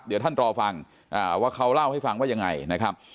เดี๋ยวท่านรอฟังว่าเขาเล่าให้ฟังว่ายังไงนะครับ